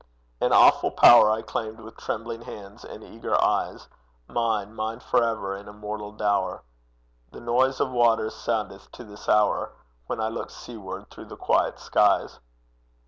An awful power I claimed with trembling hands and eager eyes, Mine, mine for ever, an immortal dower. The noise of waters soundeth to this hour, When I look seaward through the quiet skies.